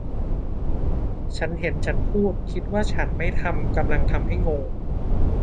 ฉันเห็นฉันพูดคิดว่าฉันไม่ทำกำลังทำให้งง